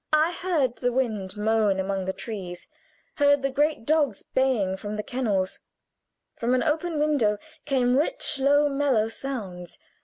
I heard the wind moan among the trees, heard the great dogs baying from the kennels; from an open window came rich, low, mellow sounds.